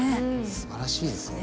すばらしいですね。